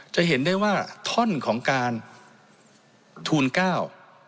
จะเห็นได้ว่าท่อนของการทูลเก้า